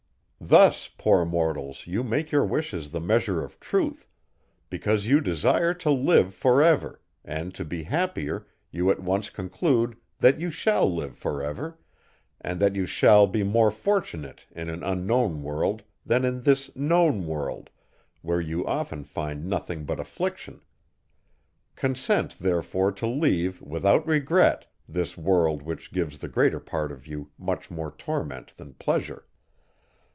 Thus, poor mortals! you make your wishes the measure of truth; because you desire to live for ever, and to be happier, you at once conclude, that you shall live for ever, and that you shall be more fortunate in an unknown world, than in this known world, where you often find nothing but affliction! Consent therefore to leave, without regret, this world which gives the greater part of you much more torment than pleasure.